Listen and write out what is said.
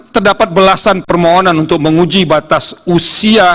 terdapat belasan permohonan untuk menguji batas usia